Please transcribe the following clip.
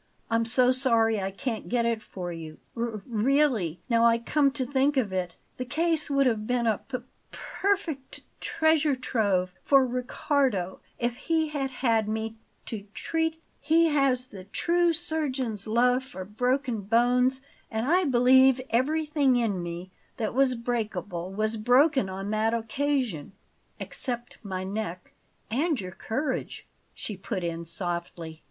I'm so sorry I can't get it for you. R really, now I come to think of it, the case would have been a p perfect t treasure trove for Riccardo if he had had me to treat; he has the true surgeon's love for broken bones, and I believe everything in me that was breakable was broken on that occasion except my neck." "And your courage," she put in softly.